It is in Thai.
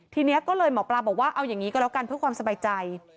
ทีนี้ก็เลยหมอปลาบอกว่าเอาอย่างนี้ก็แล้วกันเพื่อความสบายใจ